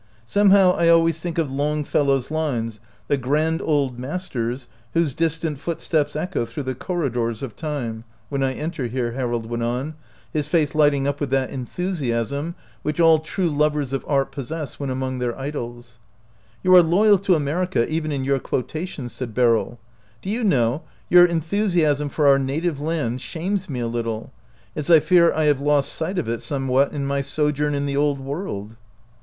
" Somehow I always think of Longfellow's lines ... the grand old masters, Whose distant footsteps echo through the corridors of time, 72 OUT OF BOHEMIA when I enter here," Harold went on, his face lighting up with that enthusiasm which all true lovers of art possess when among their idols. " You are loyal to America, even in your quotations," said Beryl. " Do you know, your enthusiasm for our native land shames me a little, as I fear I have lost sight of it somewhat in my sojourn in the Old World."